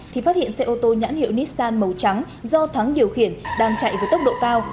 thì phát hiện xe ô tô nhãn hiệu nissan màu trắng do thắng điều khiển đang chạy với tốc độ cao